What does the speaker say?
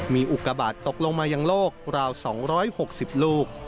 มีอุกบาทตกลงมายังโลกราว๒๖๐ลูก